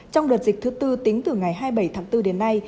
trong đợt dịch thứ tư tính từ ngày hai mươi bảy tháng bốn đến nay